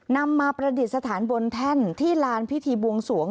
นำมาประดิษฐานบนแท่นที่ลานพิธีบวงสวง